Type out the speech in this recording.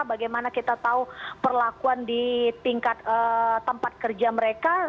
bagaimana kita tahu perlakuan di tingkat tempat kerja mereka